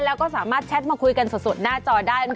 แล้วก็สามารถแชทมาคุยกันสดหน้าจอได้